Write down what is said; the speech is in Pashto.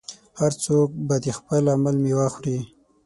هر څوک به د خپل عمل میوه خوري.